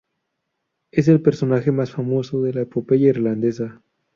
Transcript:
Es el personaje más famoso de la epopeya irlandesa.